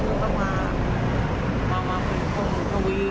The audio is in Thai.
เอาไว้ทำอะไร